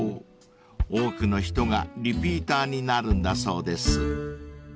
［多くの人がリピーターになるんだそうです］